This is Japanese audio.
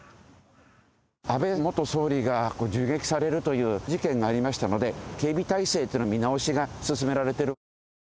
安倍元総理が銃撃されるという事件がありましたので、警備体制ってのの見直しが進められている。